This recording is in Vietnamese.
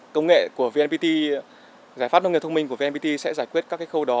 công nghệ của vnpt giải pháp nông nghiệp thông minh của vnpt sẽ giải quyết các khâu đó